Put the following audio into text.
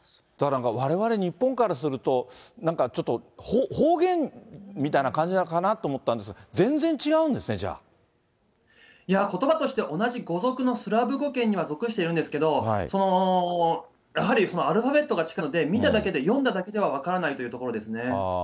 われわれ日本からすると、なんかちょっと、方言みたいな感じなのかなと思ったんですが、全然違うんですね、ことばとして、同じ語族のスラブ語圏には属してるんですけど、やはりアルファベットが違うので、見ただけで、読んだだけでは分からないというところですね。